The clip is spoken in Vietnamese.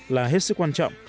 là hết sức quan trọng